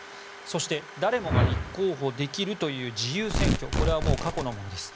そして誰もが立候補できるという自由選挙ですがこれはもう過去のものです。